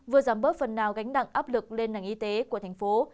vừa giảm bớt phần nào gánh đặng áp lực lên nành y tế của thành phố